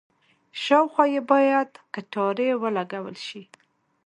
شاوخوا یې باید کټارې ولګول شي.